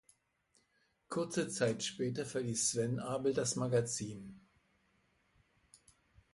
Kurze Zeit später verließ Sven Abel das Magazin.